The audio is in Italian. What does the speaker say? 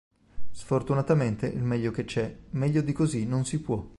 Sfortunatamente il meglio che c'è, meglio di così non si può".